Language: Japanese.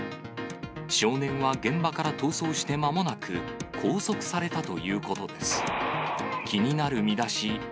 少年は現場から逃走してまもなく拘束されたということです。